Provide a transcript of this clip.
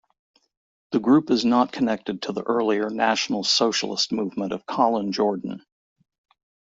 The group is not connected to the earlier National Socialist Movement of Colin Jordan.